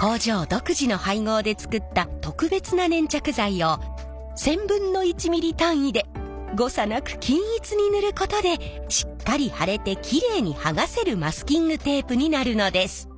工場独自の配合で作った特別な粘着剤を１０００分の１ミリ単位で誤差なく均一に塗ることでしっかり貼れてきれいにはがせるマスキングテープになるのです。